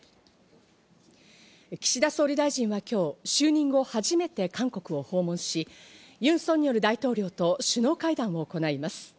岸田総理大臣は今日、就任後初めて韓国を訪問し、ユン・ソンニョル大統領と首脳会談を行います。